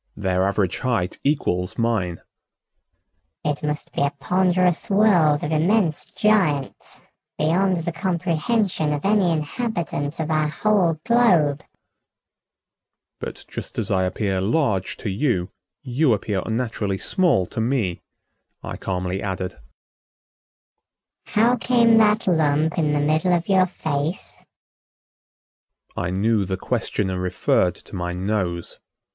"Their average height equals mine." "It must be a ponderous world of immense giants beyond the comprehension of any inhabitant of our whole globe." "But just as I appear large to you, you appear unnaturally small to me," I calmly added. "How came that lump in the middle of your face?" I knew the questioner referred to my nose.